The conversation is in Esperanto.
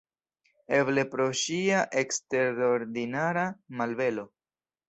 Eble pro ŝia eksterordinara malbelo.